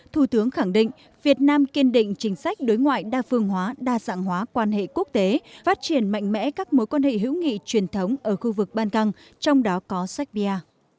thủ tướng khẳng định việt nam kiên định chính sách đối ngoại đa phương hóa đa dạng hóa quan hệ quốc tế phát triển mạnh mẽ các mối quan hệ hữu nghị truyền thống ở khu vực ban căng trong đó có serbia